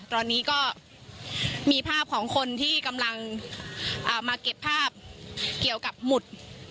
ตอนนี้ก็มีภาพของคนที่กำลังมาเก็บภาพเกี่ยวกับหมุด